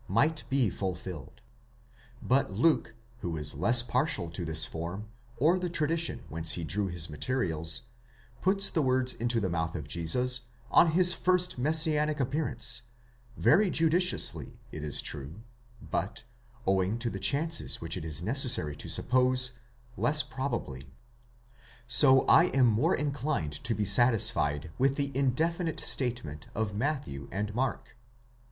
might be fulfilled ; but Luke, who is less partial to this form, or the tradition whence he drew his materials, puts the words into the mouth of Jesus on his first messianic appearance, very judiciously, it is true, but, owing to the chances which it is necessary to sup pose, less probably ; so that I am more inclined to be satisfied with the in definite statement of Matthew and Mark.